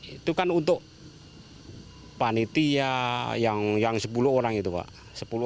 itu kan untuk panitia yang sepuluh orang itu pak